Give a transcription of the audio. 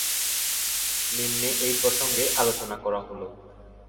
নিম্নে এই প্রসঙ্গে আলোচনা করা হলো।